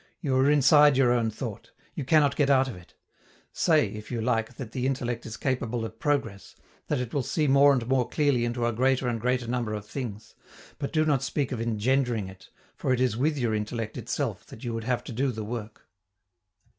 You are inside your own thought; you cannot get out of it. Say, if you like, that the intellect is capable of progress, that it will see more and more clearly into a greater and greater number of things; but do not speak of engendering it, for it is with your intellect itself that you would have to do the work.